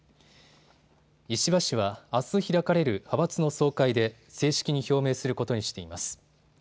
石破氏はあす開かれる派閥の総会で正式に表明することにしています。